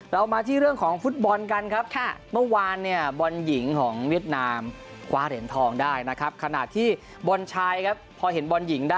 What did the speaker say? เรามาที่เรื่องของฟุตบอลกันครับ